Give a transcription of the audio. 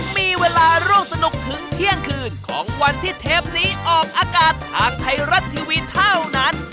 มีเวลาร่วมสนุกถึงเที่ยงคืนของวันที่เทปนี้ออกอากาศทางไทยรัฐทีวีเท่านั้น